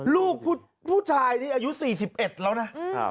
ลูกผู้ชายนี่อายุ๔๑แล้วนะ